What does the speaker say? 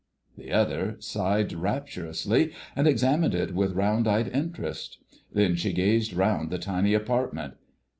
The other sighed rapturously and examined it with round eyed interest. Then she gazed round the tiny apartment.